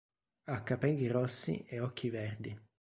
Ha capelli rossi e occhi verdi.